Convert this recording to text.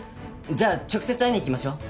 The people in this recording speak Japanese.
じゃあ直接会いに行きましょう。